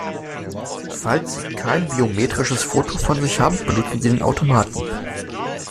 Falls Sie kein biometrisches Foto von sich haben, benutzen Sie den Automaten!